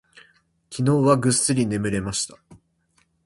昨日はぐっすり眠れました。